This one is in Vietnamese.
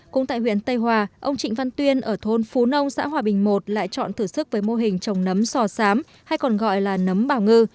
cũng tại huyện tây hòa ông trịnh văn tuyên ở thôn phú nông xã hòa bình một lại chọn thử sức với mô hình trồng nấm sò sám hay còn gọi là nấm bảo ngư